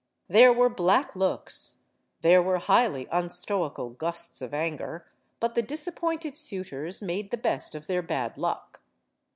There were black looks, there were highly unstoical gusts of anger but the disappointed suitors made the best of their bad luck.